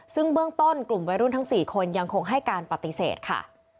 ซึ่งเบื้องต้นกลุ่มวัยรุ่นทั้ง๔คนยังคงให้การปฏิเสธค่ะ